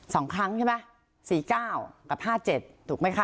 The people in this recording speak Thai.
สองครั้งใช่ไหมสี่เก้ากับห้าเจ็ดถูกไหมคะ